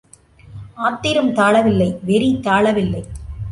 ஆத்திரம் தாளவில்லை வெறி தாளவில்லை.